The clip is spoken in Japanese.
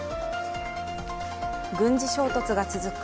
軍事衝突が続く